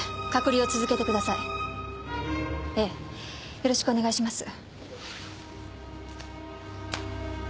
ええよろしくお願いします。